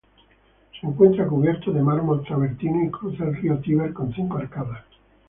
Se encuentra cubierto de mármol travertino y cruza el río Tíber con cinco arcadas.